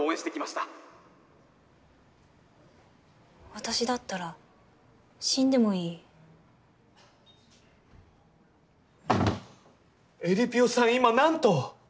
私だったら死んでもいいえりぴよさん今何と？